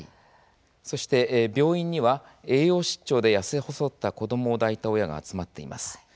病院には栄養失調で痩せ細った子どもを抱いた親が集まっています。